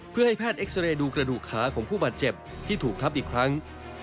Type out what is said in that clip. เพื่อให้แพทย์เอ็กซาเรย์ดูกระดูกขาของผู้บาดเจ็บที่ถูกทับอีกครั้ง